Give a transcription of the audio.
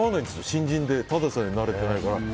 新人でただでさえ慣れてないから。